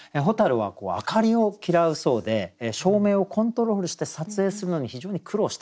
蛍は明かりを嫌うそうで照明をコントロールして撮影するのに非常に苦労したそうなんです。